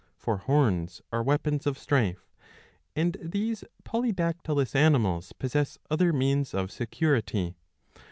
For horns are weapons of strife, and these polydactylous animals possess other means of security.